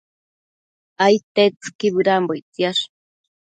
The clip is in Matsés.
Aidtetsëqui bëdambo ictsiash